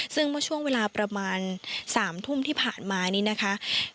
ซึ่งเมื่อช่วงเวลาประมาณ๓ทุ่มที่ผ่านมานี้นะคะ